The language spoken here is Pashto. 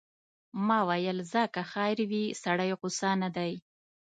ما ویل ځه که خیر وي، سړی غوسه نه دی.